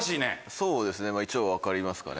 そうですね一応分かりますかね。